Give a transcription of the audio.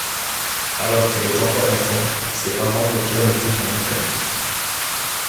Alors qu'elle est encore enfant, ses parents retournent vivre en Italie.